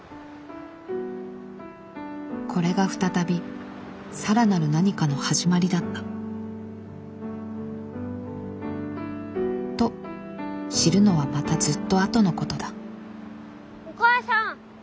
これが再びさらなる何かの始まりだったと知るのはまたずっとあとのことだお母さん。